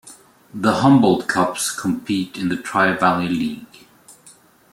The Humboldt Cubs compete in the Tri-Valley League.